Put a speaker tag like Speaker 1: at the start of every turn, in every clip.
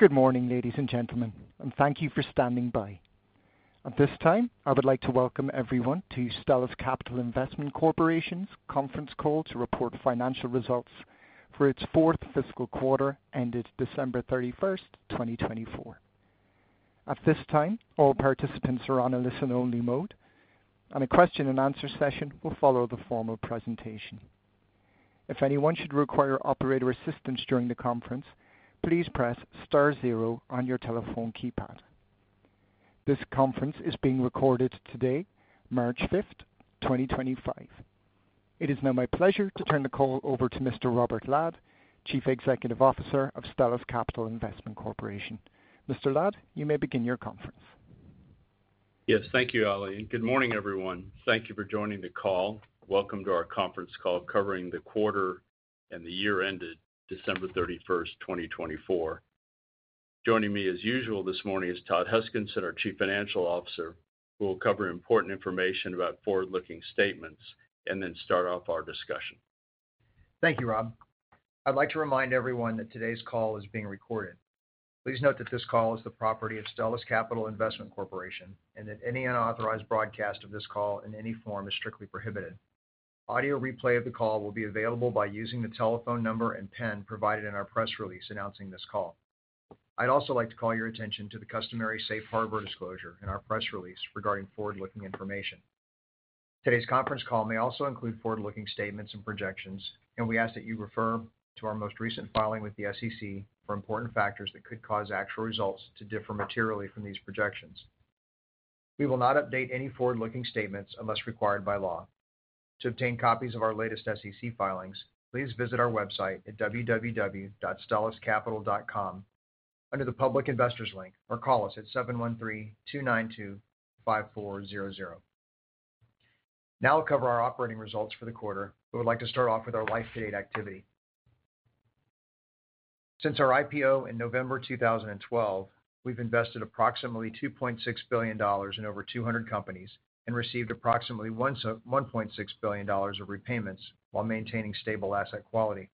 Speaker 1: Good morning, ladies and gentlemen, and thank you for standing by. At this time, I would like to welcome everyone to Stellus Capital Investment Corporation's Conference Call to report financial results for its fourth fiscal quarter ended December 31st, 2024. At this time, all participants are on a listen-only mode, and a question-and-answer session will follow the formal presentation. If anyone should require operator assistance during the conference, please press star zero on your telephone keypad. This conference is being recorded today, March 5th, 2025. It is now my pleasure to turn the call over to Mr. Robert Ladd, Chief Executive Officer of Stellus Capital Investment Corporation. Mr. Ladd, you may begin your conference.
Speaker 2: Yes, thank you, Ali. Good morning, everyone. Thank you for joining the call. Welcome to our conference call covering the quarter and the year ended December 31st, 2024. Joining me, as usual this morning, is Todd Huskinson, our Chief Financial Officer, who will cover important information about forward-looking statements and then start off our discussion.
Speaker 3: Thank you, Rob. I'd like to remind everyone that today's call is being recorded. Please note that this call is the property of Stellus Capital Investment Corporation and that any unauthorized broadcast of this call in any form is strictly prohibited. Audio replay of the call will be available by using the telephone number and PIN provided in our press release announcing this call. I'd also like to call your attention to the customary safe harbor disclosure in our press release regarding forward-looking information. Today's conference call may also include forward-looking statements and projections, and we ask that you refer to our most recent filing with the SEC for important factors that could cause actual results to differ materially from these projections. We will not update any forward-looking statements unless required by law. To obtain copies of our latest SEC filings, please visit our website at www.stelluscapital.com under the public investors link or call us at 713-292-5400. Now we'll cover our operating results for the quarter, but we'd like to start off with our life-to-date activity. Since our IPO in November 2012, we've invested approximately $2.6 billion in over 200 companies and received approximately $1.6 billion of repayments while maintaining stable asset quality.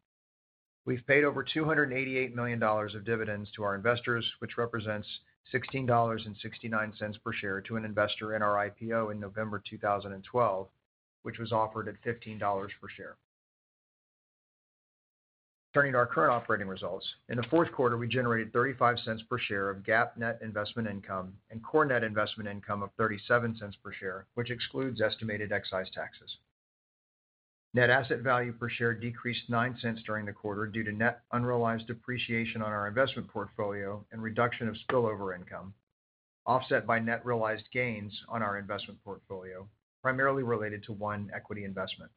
Speaker 3: We've paid over $288 million of dividends to our investors, which represents $16.69 per share to an investor in our IPO in November 2012, which was offered at $15 per share. Turning to our current operating results, in the fourth quarter, we generated $0.35 per share of GAAP net investment income and core net investment income of $0.37 per share, which excludes estimated excise taxes. Net asset value per share decreased $0.09 during the quarter due to net unrealized depreciation on our investment portfolio and reduction of spillover income offset by net realized gains on our investment portfolio, primarily related to one equity investment.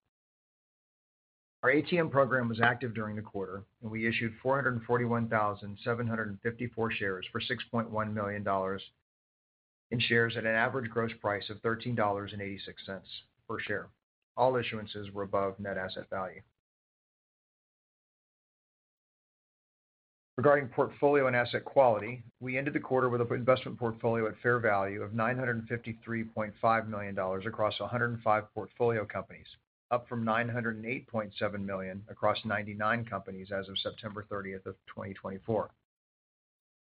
Speaker 3: Our ATM program was active during the quarter, and we issued 441,754 shares for $6.1 million in shares at an average gross price of $13.86 per share. All issuances were above net asset value. Regarding portfolio and asset quality, we ended the quarter with an investment portfolio at fair value of $953.5 million across 105 portfolio companies, up from $908.7 million across 99 companies as of September 30th of 2024.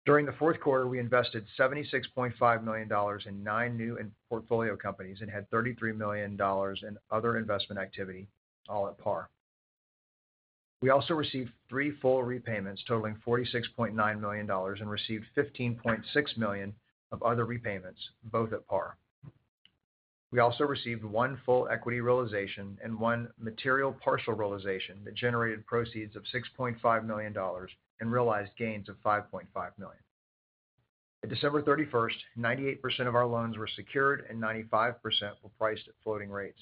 Speaker 3: During the fourth quarter, we invested $76.5 million in nine new portfolio companies and had $33 million in other investment activity, all at par. We also received three full repayments totaling $46.9 million and received $15.6 million of other repayments, both at par. We also received one full equity realization and one material partial realization that generated proceeds of $6.5 million and realized gains of $5.5 million. At December 31st, 98% of our loans were secured and 95% were priced at floating rates.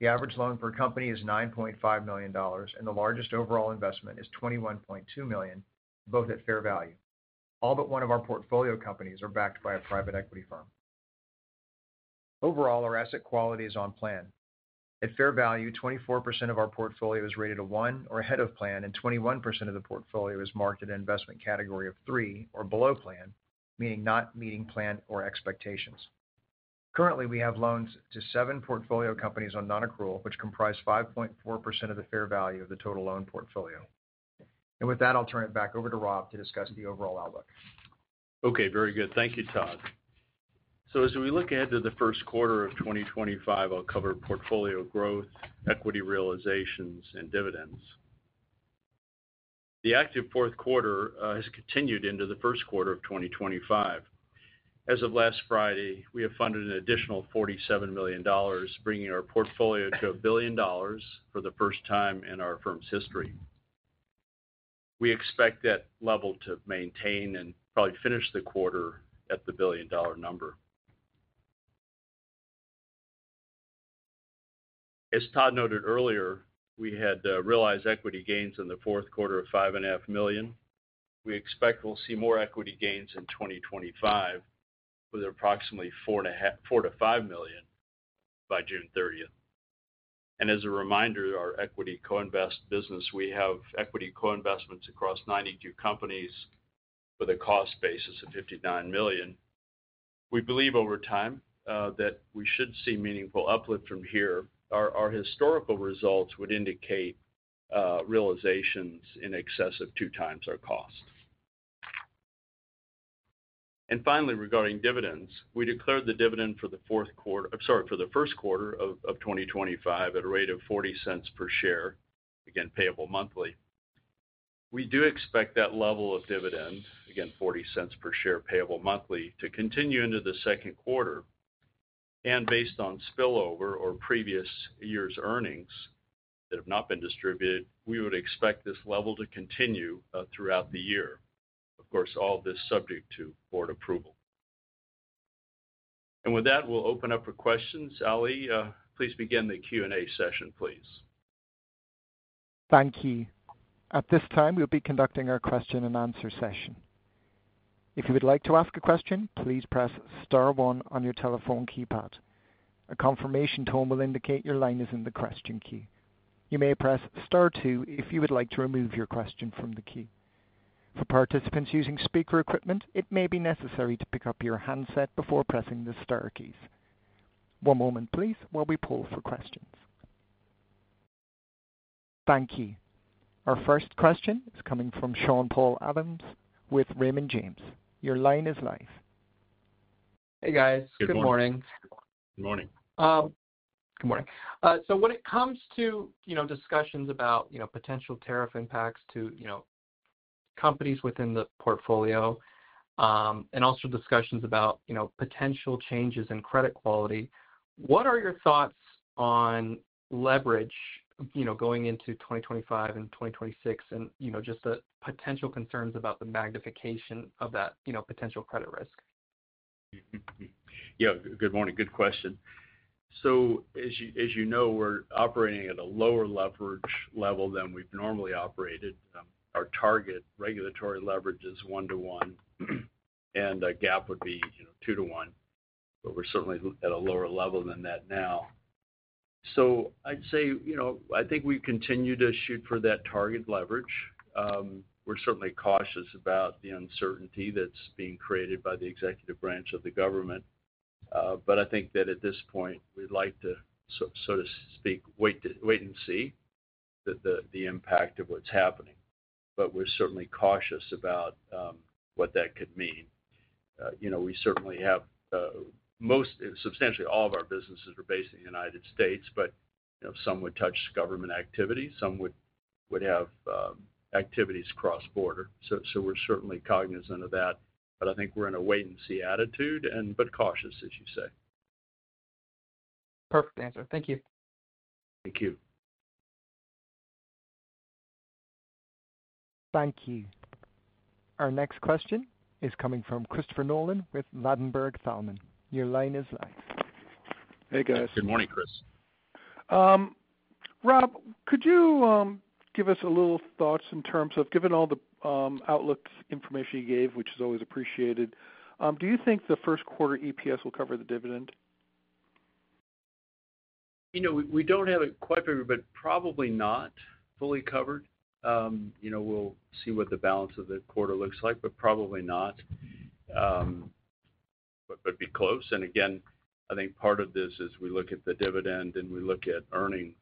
Speaker 3: The average loan per company is $9.5 million, and the largest overall investment is $21.2 million, both at fair value. All but one of our portfolio companies are backed by a private equity firm. Overall, our asset quality is on plan. At fair value, 24% of our portfolio is rated a one or ahead of plan, and 21% of the portfolio is marked in an investment category of three or below plan, meaning not meeting plan or expectations. Currently, we have loans to seven portfolio companies on non-accrual, which comprise 5.4% of the fair value of the total loan portfolio. With that, I'll turn it back over to Rob to discuss the overall outlook.
Speaker 2: Very good. Thank you, Todd. As we look ahead to the first quarter of 2025, I'll cover portfolio growth, equity realizations, and dividends. The active fourth quarter has continued into the first quarter of 2025. As of last Friday, we have funded an additional $47 million, bringing our portfolio to $1 billion for the first time in our firm's history. We expect that level to maintain and probably finish the quarter at the $1 billion number. As Todd noted earlier, we had realized equity gains in the fourth quarter of $5.5 million. We expect we'll see more equity gains in 2025 with approximately $4-$5 million by June 30th. As a reminder, in our equity co-invest business, we have equity co-investments across 92 companies with a cost basis of $59 million. We believe over time that we should see meaningful uplift from here. Our historical results would indicate realizations in excess of two times our cost. Finally, regarding dividends, we declared the dividend for the fourth quarter, I'm sorry, for the first quarter of 2025 at a rate of $0.40 per share, again, payable monthly. We do expect that level of dividend, again, $0.40 per share payable monthly, to continue into the second quarter. Based on spillover or previous year's earnings that have not been distributed, we would expect this level to continue throughout the year. Of course, all of this is subject to board approval. With that, we'll open up for questions. Ali, please begin the Q&A session, please.
Speaker 1: Thank you. At this time, we'll be conducting our question-and-answer session. If you would like to ask a question, please press star one on your telephone keypad. A confirmation tone will indicate your line is in the question key. You may press star two if you would like to remove your question from the key. For participants using speaker equipment, it may be necessary to pick up your handset before pressing the star keys. One moment, please, while we pool for questions. Thank you. Our first question is coming from Sean-Paul Adams with Raymond James. Your line is live.
Speaker 4: Hey, guys. Good morning.
Speaker 2: Good morning.
Speaker 4: Good morning. When it comes to discussions about potential tariff impacts to companies within the portfolio and also discussions about potential changes in credit quality, what are your thoughts on leverage going into 2025 and 2026 and just the potential concerns about the magnification of that potential credit risk?
Speaker 2: Yeah, good morning. Good question. As you know, we're operating at a lower leverage level than we've normally operated. Our target regulatory leverage is one to one, and GAAP would be two to one, but we're certainly at a lower level than that now. I'd say I think we continue to shoot for that target leverage. We're certainly cautious about the uncertainty that's being created by the executive branch of the government. I think that at this point, we'd like to, so to speak, wait and see the impact of what's happening. We're certainly cautious about what that could mean. We certainly have most, substantially all, of our businesses are based in the United States, but some would touch government activity. Some would have activities cross-border. We're certainly cognizant of that. I think we're in a wait-and-see attitude, but cautious, as you say.
Speaker 4: Perfect answer. Thank you.
Speaker 2: Thank you.
Speaker 1: Thank you. Our next question is coming from Christopher Nolan with Ladenburg Thalmann. Your line is live.
Speaker 5: Hey, guys.
Speaker 2: Good morning, Chris.
Speaker 5: Rob, could you give us a little thoughts in terms of, given all the outlook information you gave, which is always appreciated, do you think the first quarter EPS will cover the dividend?
Speaker 2: We do not have it quite for sure, but probably not fully covered. We will see what the balance of the quarter looks like, but probably not. It would be close. I think part of this is we look at the dividend and we look at earnings.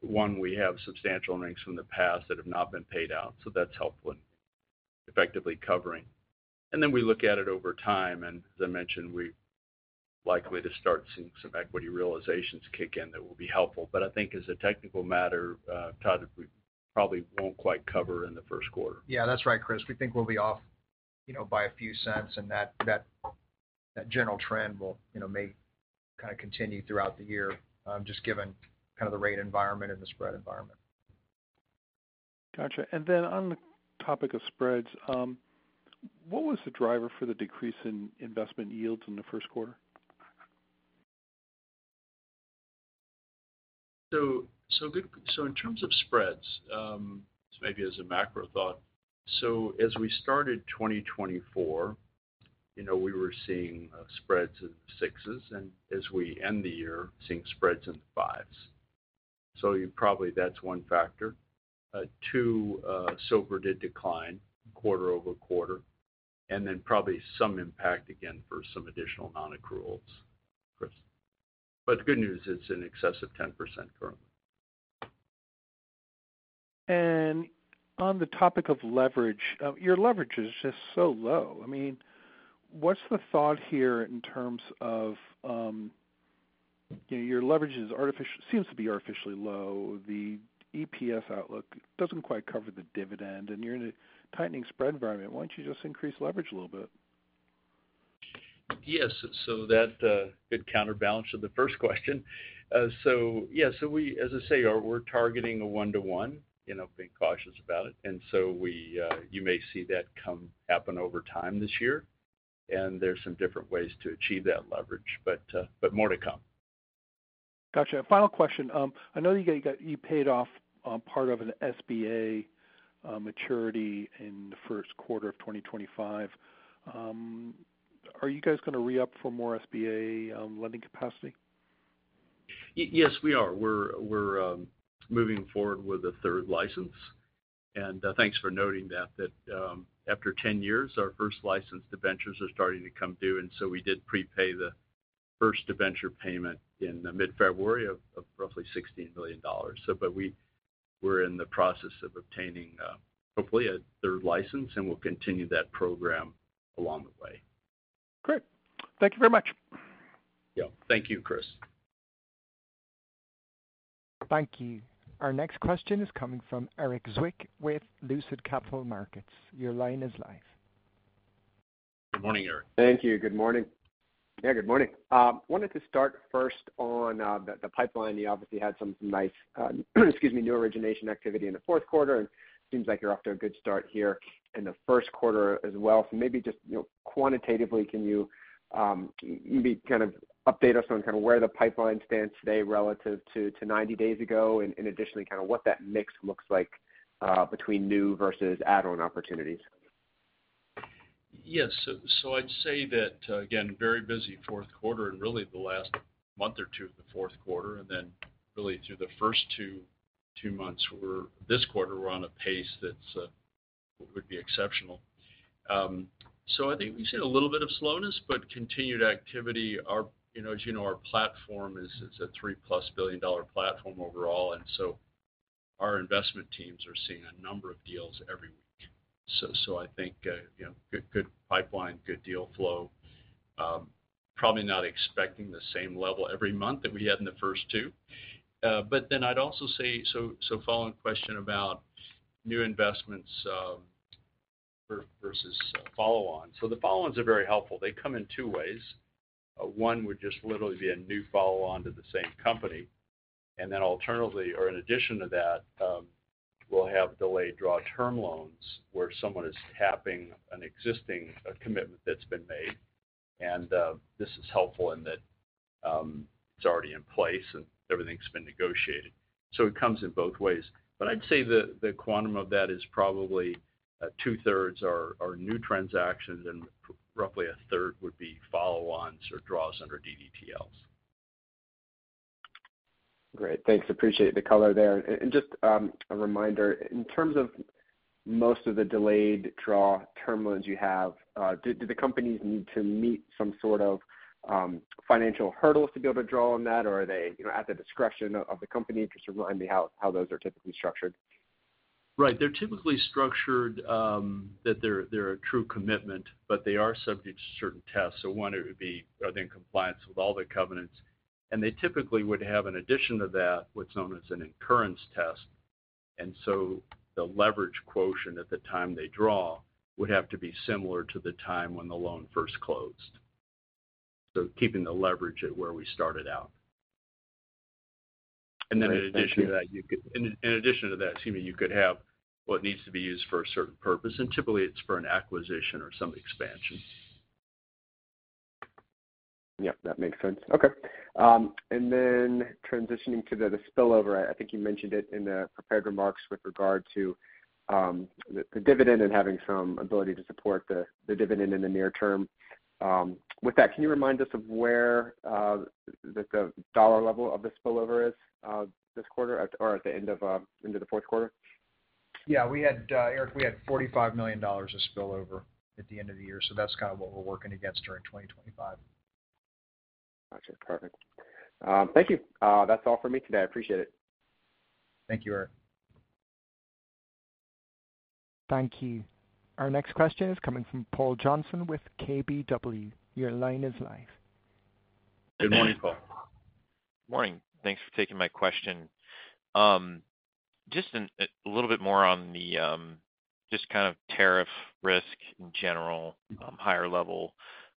Speaker 2: One, we have substantial earnings from the past that have not been paid out. That is helpful in effectively covering. We look at it over time. As I mentioned, we are likely to start seeing some equity realizations kick in that will be helpful. I think as a technical matter, Todd, we probably will not quite cover in the first quarter.
Speaker 3: Yeah, that's right, Chris. We think we'll be off by a few cents, and that general trend may kind of continue throughout the year, just given kind of the rate environment and the spread environment.
Speaker 5: Gotcha. On the topic of spreads, what was the driver for the decrease in investment yields in the first quarter?
Speaker 2: In terms of spreads, maybe as a macro thought, as we started 2024, we were seeing spreads in the sixes, and as we end the year, seeing spreads in the fives. Probably that's one factor. Two, SOFR did decline quarter-over-quarter, and then probably some impact again for some additional non-accruals, Chris. The good news is it's in excess of 10% currently.
Speaker 5: On the topic of leverage, your leverage is just so low. I mean, what's the thought here in terms of your leverage seems to be artificially low. The EPS outlook doesn't quite cover the dividend, and you're in a tightening spread environment. Why don't you just increase leverage a little bit?
Speaker 2: Yes. That could counterbalance the first question. As I say, we're targeting a one to one, being cautious about it. You may see that happen over time this year. There are some different ways to achieve that leverage, but more to come.
Speaker 5: Gotcha. Final question. I know you paid off part of an SBA maturity in the first quarter of 2025. Are you guys going to re-up for more SBA lending capacity?
Speaker 2: Yes, we are. We're moving forward with a third license. Thanks for noting that. After 10 years, our first license debentures are starting to come due. We did prepay the first debenture payment in mid-February of roughly $16 million. We're in the process of obtaining, hopefully, a third license, and we'll continue that program along the way.
Speaker 5: Great. Thank you very much.
Speaker 2: Yeah. Thank you, Chris.
Speaker 1: Thank you. Our next question is coming from Eric Zwick with Lucid Capital Markets. Your line is live.
Speaker 2: Good morning, Eric.
Speaker 6: Thank you. Good morning. Yeah, good morning. I wanted to start first on the pipeline. You obviously had some nice, excuse me, new origination activity in the fourth quarter. It seems like you're off to a good start here in the first quarter as well. Maybe just quantitatively, can you maybe kind of update us on kind of where the pipeline stands today relative to 90 days ago and additionally kind of what that mix looks like between new versus add-on opportunities?
Speaker 2: Yes. I'd say that, again, very busy fourth quarter and really the last month or two of the fourth quarter. Really through the first two months this quarter, we're on a pace that would be exceptional. I think we've seen a little bit of slowness, but continued activity. As you know, our platform is a three-plus billion-dollar platform overall. Our investment teams are seeing a number of deals every week. I think good pipeline, good deal flow. Probably not expecting the same level every month that we had in the first two. I'd also say, following question about new investments versus follow-on. The follow-ons are very helpful. They come in two ways. One would just literally be a new follow-on to the same company. Alternatively, or in addition to that, we'll have delayed draw term loans where someone is tapping an existing commitment that's been made. This is helpful in that it's already in place and everything's been negotiated. It comes in both ways. I'd say the quantum of that is probably two-thirds are new transactions and roughly a third would be follow-ons or draws under DDTLs.
Speaker 6: Great. Thanks. Appreciate the color there. Just a reminder, in terms of most of the delayed draw term loans you have, do the companies need to meet some sort of financial hurdles to be able to draw on that, or are they at the discretion of the company? Just remind me how those are typically structured.
Speaker 2: Right. They're typically structured that they're a true commitment, but they are subject to certain tests. One, it would be are they in compliance with all the covenants. They typically would have, in addition to that, what's known as an incurrence test. The leverage quotient at the time they draw would have to be similar to the time when the loan first closed, keeping the leverage at where we started out. In addition to that, excuse me, you could have what needs to be used for a certain purpose. Typically, it's for an acquisition or some expansion.
Speaker 6: Yep. That makes sense. Okay. Then transitioning to the spillover, I think you mentioned it in the prepared remarks with regard to the dividend and having some ability to support the dividend in the near term. With that, can you remind us of where the dollar level of the spillover is this quarter or at the end of the fourth quarter?
Speaker 3: Yeah. Eric, we had $45 million of spillover at the end of the year. That is kind of what we are working against during 2025.
Speaker 6: Gotcha. Perfect. Thank you. That's all for me today. I appreciate it.
Speaker 3: Thank you, Eric.
Speaker 1: Thank you. Our next question is coming from Paul Johnson with KBW. Your line is live.
Speaker 2: Good morning, Paul.
Speaker 7: Good morning. Thanks for taking my question. Just a little bit more on the just kind of tariff risk in general, higher level.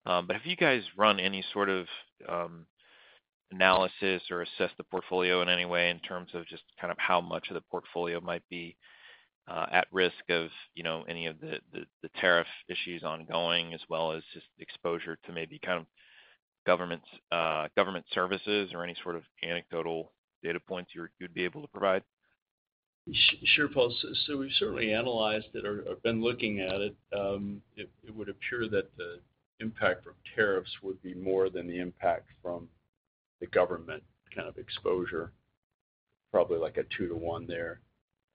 Speaker 7: Have you guys run any sort of analysis or assess the portfolio in any way in terms of just kind of how much of the portfolio might be at risk of any of the tariff issues ongoing, as well as just exposure to maybe kind of government services or any sort of anecdotal data points you'd be able to provide?
Speaker 2: Sure, Paul. We've certainly analyzed it or been looking at it. It would appear that the impact from tariffs would be more than the impact from the government kind of exposure, probably like a two to one there.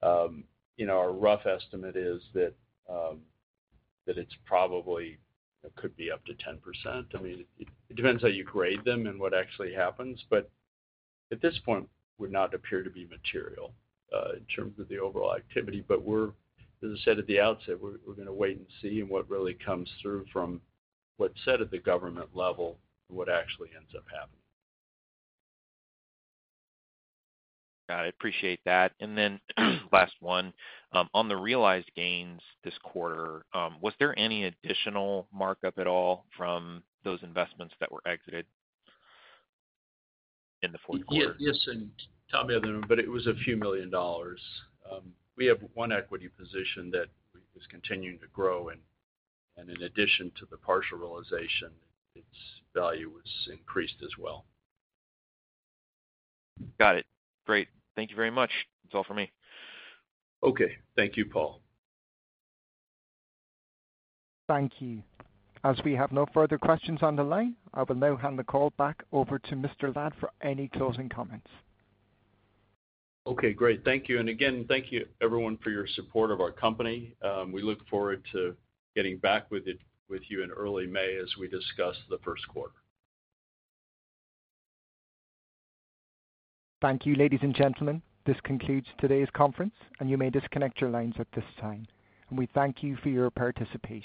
Speaker 2: Our rough estimate is that it probably could be up to 10%. I mean, it depends how you grade them and what actually happens. At this point, it would not appear to be material in terms of the overall activity. As I said at the outset, we're going to wait and see what really comes through from what's said at the government level and what actually ends up happening.
Speaker 7: Got it. Appreciate that. Last one, on the realized gains this quarter, was there any additional markup at all from those investments that were exited in the fourth quarter?
Speaker 2: Yes. At the top of the end of the number, but it was a few million dollars. We have one equity position that is continuing to grow. In addition to the partial realization, its value was increased as well.
Speaker 7: Got it. Great. Thank you very much. That's all for me.
Speaker 2: Okay. Thank you, Paul.
Speaker 1: Thank you. As we have no further questions on the line, I will now hand the call back over to Mr. Ladd for any closing comments.
Speaker 2: Okay. Great. Thank you. Thank you, everyone, for your support of our company. We look forward to getting back with you in early May as we discuss the first quarter.
Speaker 1: Thank you, ladies and gentlemen. This concludes today's conference, and you may disconnect your lines at this time. We thank you for your participation.